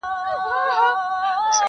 o خو وجدان يې ورسره دی تل,